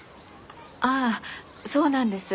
あそうなんです